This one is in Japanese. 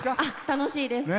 楽しいです。